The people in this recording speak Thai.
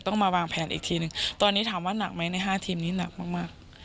ต้องมาวางแผนอีกทีนึงตอนนี้ถามว่าหนักไหมใน๕ทีมนี้หนักมาก